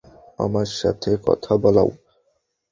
আমার সাথে কথা বলাও।